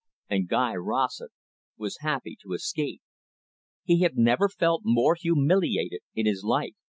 And Guy Rossett was happy to escape. He had never felt more humiliated in his life.